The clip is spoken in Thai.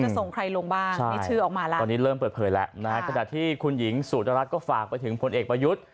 ตอนนี้เริ่มเปิดเผยแล้วนะครับจากที่คุณหญิงสูตรรัฐก็ฝากไปถึงผลเอกประยุทธ์